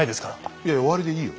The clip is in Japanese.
いや終わりでいいよ。